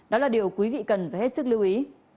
đó là điều quý vị cần phải hết sức lưu ý